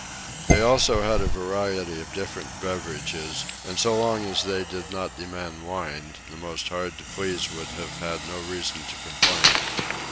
They had also a variety of different beverages, and so long as they did not demand wine, the most hard to please would have had no reason to complain.